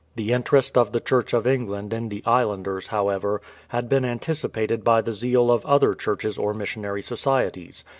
The interest of the Church of England in the islanders, however, had been anticipated by the zeal of other Churches or missionary societies.